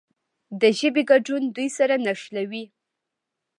د ژبې ګډون دوی سره نښلوي.